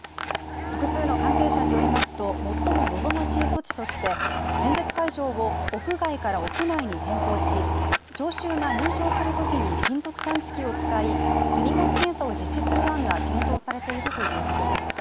複数の関係者によりますと最も望ましい措置として演説会場を屋外から屋内に変更し聴衆が入場するときに金属探知機を使い手荷物検査を実施する案が検討されているということです。